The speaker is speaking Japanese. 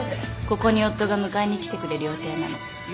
ここに夫が迎えに来てくれる予定なの。